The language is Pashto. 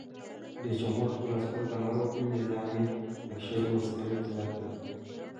رئیس جمهور خپلو عسکرو ته امر وکړ؛ نظامي نقشې لوستل زده کړئ!